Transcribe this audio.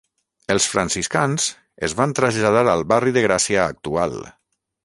Els franciscans es van traslladar al barri de Gràcia actual.